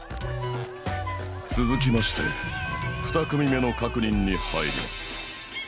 続きまして２組目の確認に入ります